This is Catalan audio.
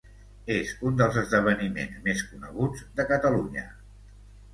És un dels esdeveniments més coneguts de Catalunya.